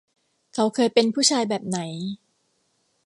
เขาเคยเป็นผู้ชายแบบไหน